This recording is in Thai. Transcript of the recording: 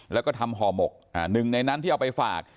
แล้วก็ทำห่อหมกหนึ่งในนั้นที่เอาไปฝาก